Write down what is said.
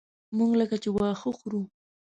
موږ لکه چې واښه خورو.